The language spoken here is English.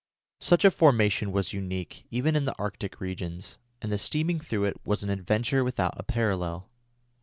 Such a formation was unique, even in the Arctic regions, and the steaming through it was an adventure without a parallel.